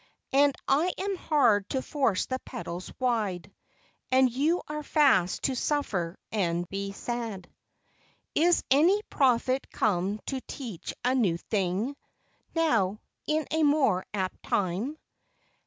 And I am hard to force the petals wide; And you are fast to suffer and be sad. Is any prophet come to teach a new thing Now in a more apt time?